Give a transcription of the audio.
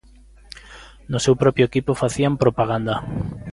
No seu propio equipo facían propaganda.